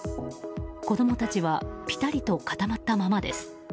子供たちはピタリと固まったままです。